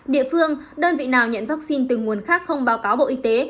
địa phương đơn vị nào nhận vaccine từ nguồn khác không báo cáo bộ y tế